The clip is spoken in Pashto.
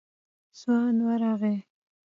ځوان ورغی.